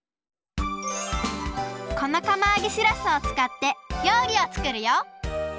このかまあげしらすを使って料理を作るよ！